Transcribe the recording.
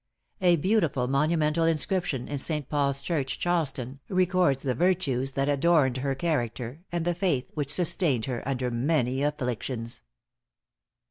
A beautiful monumental inscription in St. Paul's church, Charleston, records the virtues that adorned her character, and the faith which sustained her under many afflictions.